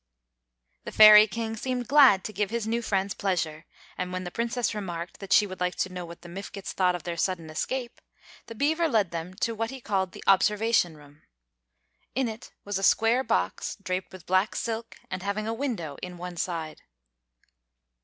The Fairy King seemed glad to give his new friends pleasure; and when the Princess remarked that she would like to know what the Mifkets thought of their sudden escape, the beaver led them to what he called the "Observation Room." In it was a square box, draped with black silk and having a window in one side.